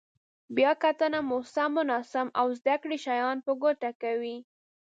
بیا کتنه مو سم، ناسم او زده کړي شیان په ګوته کوي.